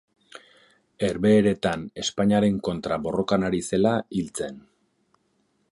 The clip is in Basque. Herbehereetan Espainiaren kontra borrokan ari zela hil zen.